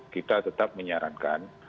kita tetap menyarankan